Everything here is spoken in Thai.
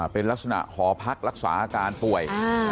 เป็นลักษณะหอพักรักษาอาการป่วย